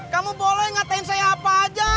kamu boleh ngatain saya apa aja